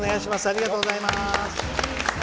ありがとうございます。